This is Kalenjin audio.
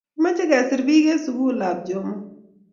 Kimache kesir pik en sukul ab jomo